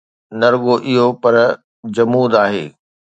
نه رڳو اهو پر جمود آهي.